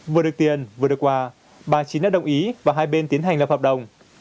vừa được tiền vừa được quà bà chín đã đồng ý và hai bên tiến hành lập hợp đồng